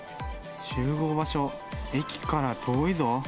集合場所、駅から遠いぞ。